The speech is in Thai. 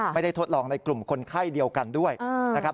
ทดลองในกลุ่มคนไข้เดียวกันด้วยนะครับ